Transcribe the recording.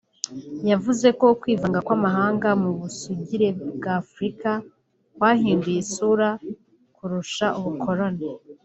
yavuze ko ukwivanga kw’amahanga mu busugire bw’Afurika kwahinduye isura kurusha ubukoloni